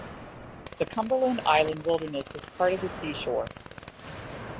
The Cumberland Island Wilderness is part of the seashore.